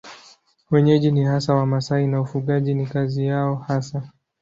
Wenyeji ni hasa Wamasai na ufugaji ni kazi yao hasa.